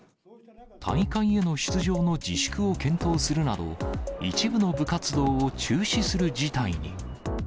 大会への出場の自粛を検討するなど、一部の部活動を中止する事態に。